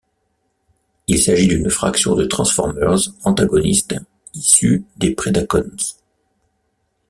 Il s'agit d'une faction de Transformers antagonistes issus des Predacons.